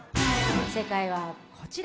正解はこちら。